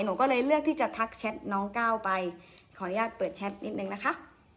หนูก็เลยเลือกที่จะทักแชทน้องก้าวไปขออนุญาตเปิดแชทนิดนึงนะคะ